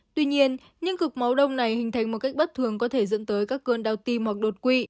tuy nhiên những cực máu đông này hình thành một cách bất thường có thể dẫn tới các cơn đau tim hoặc đột quỵ